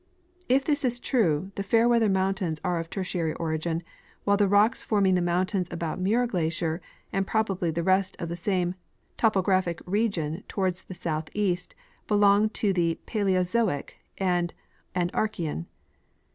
If this is true, the Fairweather mountains are of Tertiary origin, while the rocks forming the mountains about Muir glacier, and probably the rest of the same topographic region toward the southeast, belong to the Paleozoic and Archean.